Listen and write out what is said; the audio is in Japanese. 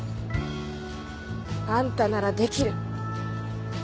あんたならできる。